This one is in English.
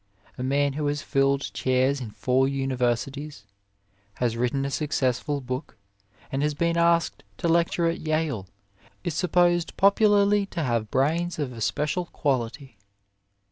A man who has filled Chairs in four universities, has written a successful book, and has been asked to lecture at Yale, is supposed popularly to have brains of a special quality.